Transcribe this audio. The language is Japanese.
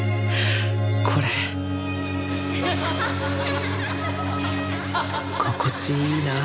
これ心地いいなぁ